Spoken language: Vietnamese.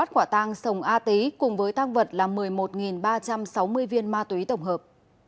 cùng với tăng vật là một mươi một ba trăm sáu mươi viên ma túy tổng hợp